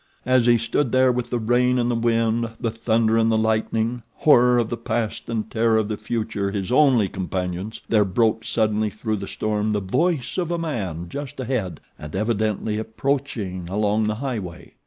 As he stood there with the rain and the wind, the thunder and the lightning, horror of the past and terror of the future his only companions there broke suddenly through the storm the voice of a man just ahead and evidently approaching along the highway.